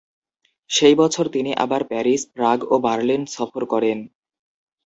সেই বছর তিনি আবার প্যারিস, প্রাগ ও বার্লিন সফর করেন।